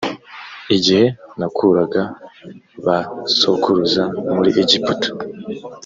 igihe nakuraga ba sokuruza muri egiputa